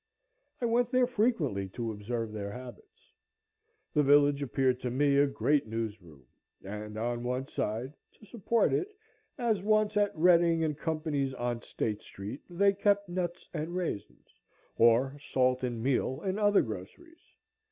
I went there frequently to observe their habits. The village appeared to me a great news room; and on one side, to support it, as once at Redding & Company's on State Street, they kept nuts and raisins, or salt and meal and other groceries.